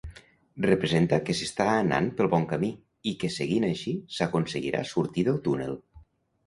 Representa que s'està anat pel bon camí i que seguint així s'aconseguirà sortir del túnel.